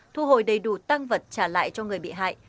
thu hồi đầy đủ tăng vật trả lại cho người bị hại